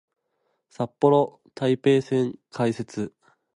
札幌・台北線開設